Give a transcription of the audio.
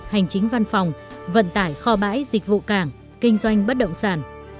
hành chính văn phòng vận tải kho bãi dịch vụ cảng kinh doanh bất động sản